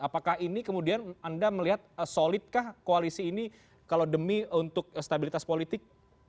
apakah ini kemudian anda melihat solidkah koalisi ini kalau demi untuk stabilitas politik